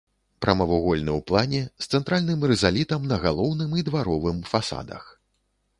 Прамавугольны ў плане, з цэнтральным рызалітам на галоўным і дваровым фасадах.